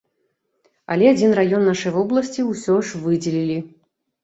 Але адзін раён нашай вобласці ўсё ж выдзелілі.